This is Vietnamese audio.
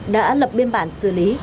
đã lập biên bản xử lý